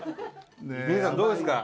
皆さんどうですか？